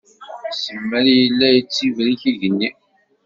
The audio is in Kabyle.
Simal yella yettibrik yigenni.